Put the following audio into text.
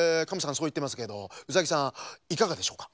そういってますけどウサギさんいかがでしょうか？